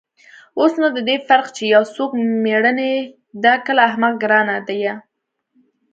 اوس نو د دې فرق چې يو څوک مېړنى دى که احمق گران ديه.